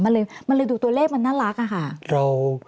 มันเลยดูตัวเลขมันน่ารักค่ะ